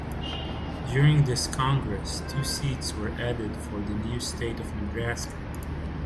During this Congress, two seats were added for the new state of Nebraska.